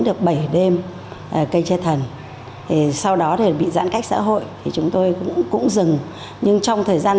được bảy đêm cây che thần thì sau đó thể bị giãn cách xã hội thì chúng tôi cũng dừng nhưng trong thời gian